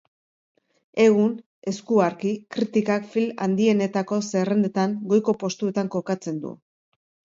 Egun, eskuarki, kritikak film handienetako zerrendetan goiko postuetan kokatzen du.